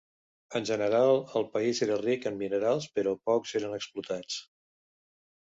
En general el país era ric en minerals però pocs eren explotats.